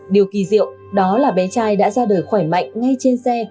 điều kỳ diệu đó là bé trai đã ra đời khỏe mạnh ngay trên xe